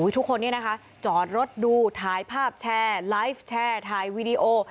ทุกคนนี้นะคะจอดรถดูถ่ายภาพแชร์ไลฟ์แชร์ถ่ายวีดีโอ